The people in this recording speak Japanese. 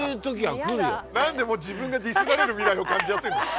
何でもう自分がディスられる未来を感じちゃってるの？